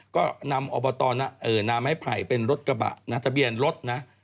ก็นำอบตนาไม้ไผ่เป็นรถกระบะนะทะเบียนรถนะ